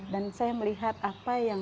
dan saya melihat apa yang